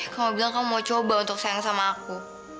kamu bilang kamu mau coba untuk sayang sama aku